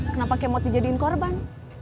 kenapa kemot dijadiin korban